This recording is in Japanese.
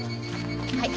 はい。